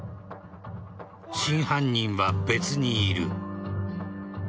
真犯人は別にいる。